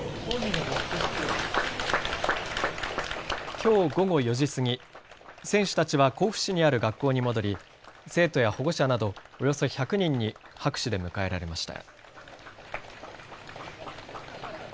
きょう午後４時過ぎ、選手たちは甲府市にある学校に戻り生徒や保護者などおよそ１００人に拍手で迎えられました。